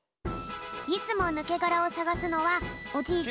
いつもぬけがらをさがすのはおじいちゃん